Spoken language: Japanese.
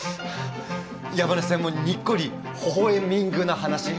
山根さんもにっこりほほ笑みんぐな話。